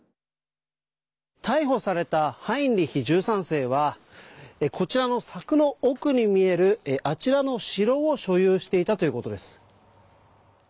逮捕されたハインリヒ１３世はこちらの柵の奥に見えるあちらの城を所有していたということです。